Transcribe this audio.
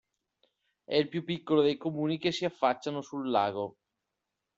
È il più piccolo dei Comuni che si affacciano sul lago.